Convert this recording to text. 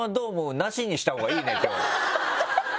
なしにしたほうがいいね今日。